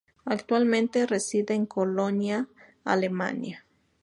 Actualmente reside en Colonia, Alemania.